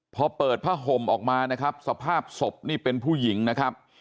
พอเปิดผ้าห่มออกมานะครับสภาพศพนี่เป็นผู้หญิงนะครับ